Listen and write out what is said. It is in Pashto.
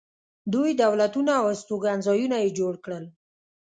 دوی دولتونه او استوګنځایونه یې جوړ کړل